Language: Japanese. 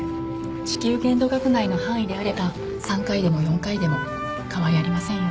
支給限度額内の範囲であれば３回でも４回でも変わりありませんよ。